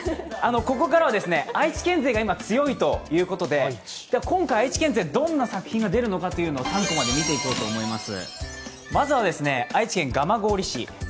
ここからは愛知県勢が今強いということで、今回、愛知県勢、どんな作品が出るのか３コマで見ていこうと思います。